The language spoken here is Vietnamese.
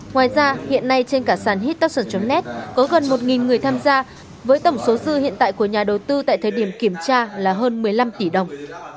ngoài ra hiện nay trên cả sàn hittapson net có gần một người tham gia với tổng số dư hiện tại của nhà đầu tư tại thời điểm kiểm tra là hơn một mươi năm tỷ đồng